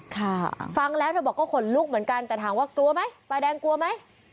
ค่ะฟังแล้วเธอบอกก็ขนลุกเหมือนกันแต่ถามว่ากลัวไหมป้ายแดงกลัวไหม